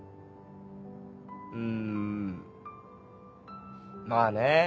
うんまぁね。